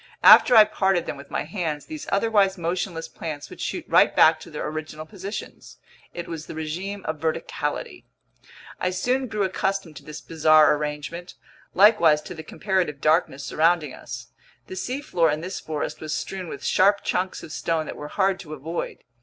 After I parted them with my hands, these otherwise motionless plants would shoot right back to their original positions. It was the regime of verticality. I soon grew accustomed to this bizarre arrangement, likewise to the comparative darkness surrounding us. The seafloor in this forest was strewn with sharp chunks of stone that were hard to avoid.